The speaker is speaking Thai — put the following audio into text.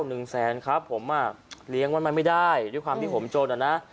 หนึ่งแสนครับผมอ่ะเลี้ยงไว้มันไม่ได้ด้วยความที่ผมจนอ่ะนะ